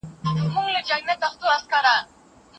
خپل ځان له ستړیا وساتئ.